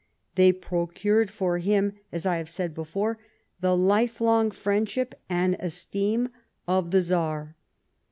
They procured for him, as I have said, the lifelong friendship and esteem of the Czar.